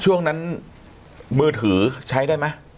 ช่วงนั้นมือถือใช้ได้ไหม